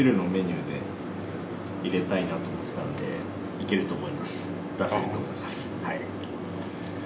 出せると思いますはい。